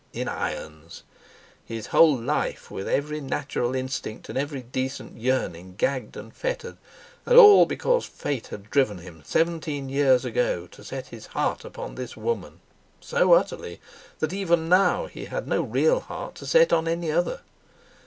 In irons! His whole life, with every natural instinct and every decent yearning gagged and fettered, and all because Fate had driven him seventeen years ago to set his heart upon this woman—so utterly, that even now he had no real heart to set on any other!